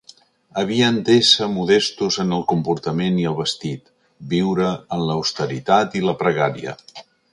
Havien d'ésser modestos en el comportament i el vestit, viure en l'austeritat i la pregària.